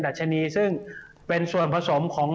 ชนีซึ่งเป็นส่วนผสมของ